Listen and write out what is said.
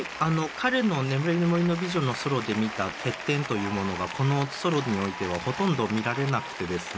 彼の「眠りの森の美女」のソロで見た欠点というものがこのソロにおいてはほとんど見られなくてですね